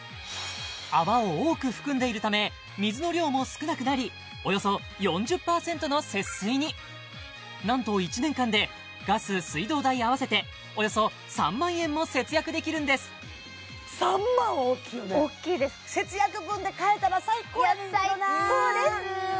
泡を多く含んでいるため水の量も少なくなりおよそ４０％の節水になんと１年間でガス水道代合わせておよそ３万円も節約できるんです３万大きいよね大きいですいや最高です